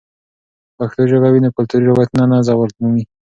که پښتو ژبه وي، نو کلتوري روایتونه نه زوال مومي.